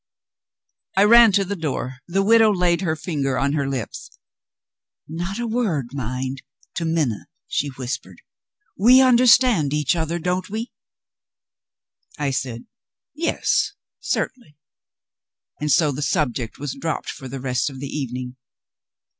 I ran to the door. The widow laid her finger on her lips. "Not a word, mind, to Minna!" she whispered. "We understand each other don't we?" I said, "Yes, certainly." And so the subject was dropped for the rest of the evening.